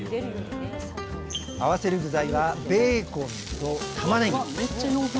合わせる具材はベーコンとたまねぎ。